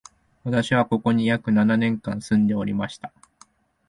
私は、ここに約七年間住んでおりました